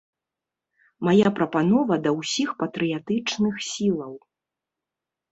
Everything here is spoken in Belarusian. Мая прапанова да ўсіх патрыятычных сілаў.